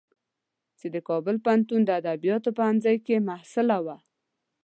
چې د کابل پوهنتون د ادبیاتو پوهنځی کې محصله وه.